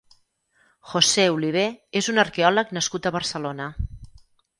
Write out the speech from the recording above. José Oliver és un arqueòleg nascut a Barcelona.